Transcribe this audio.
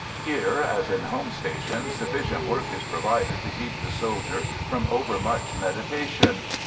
Here, as in home stations, sufficient work is provided to keep the soldier from overmuch meditation.